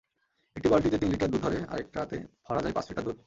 একটা বালতিতে তিন লিটার দুধ ধরে, আরেকটাতে ভরা যায় পাঁচ লিটার দুধ।